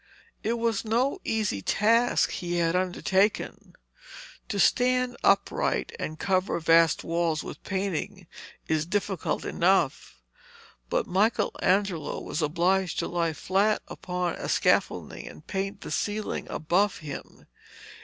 It was no easy task he had undertaken. To stand upright and cover vast walls with painting is difficult enough, but Michelangelo was obliged to lie flat upon a scaffolding and paint the ceiling above him.